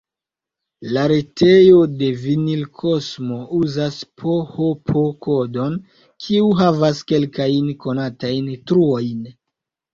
La retejo de Vinilkosmo uzas php-kodon, kiu havas kelkajn konatajn truojn.